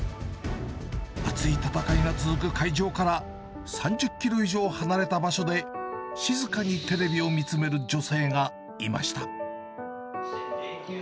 熱い戦いが続く会場から３０キロ以上離れた場所で、静かにテレビを見つめる女性がいました。